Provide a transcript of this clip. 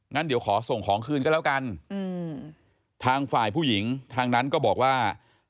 งั้นเดี๋ยวขอส่งของคืนก็แล้วกันทางฝ่ายผู้หญิงทางนั้นก็บอกว่า